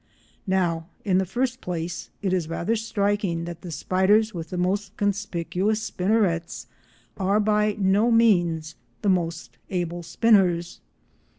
Now in the first place it is rather striking that the spiders with the most conspicuous spinnerets are by no means the most able spinners.